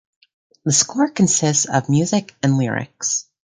The score consists of music and lyrics.